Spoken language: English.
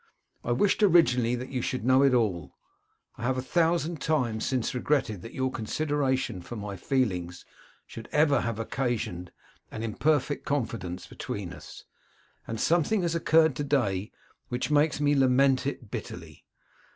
I wished originally that you should know all. I have a thousand times since regretted that your consideration for my feelings should ever have occasioned an imperfect confidence between us; and something has occurred to day which makes me lament it bitterly.